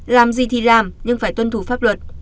làm gì thì làm nhưng phải tuân thủ pháp luật